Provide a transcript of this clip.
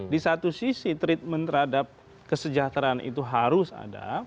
di satu sisi treatment terhadap kesejahteraan itu harus ada